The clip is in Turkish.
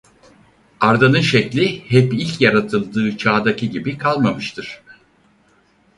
Arda'nın şekli hep ilk yaratıldığı çağdaki gibi kalmamıştır.